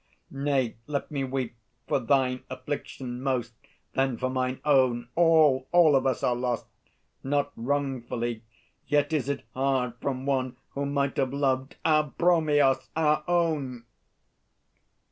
Nay, let me weep for thine affliction most, Then for mine own. All, all of us are lost, Not wrongfully, yet is it hard, from one Who might have loved our Bromios, our own!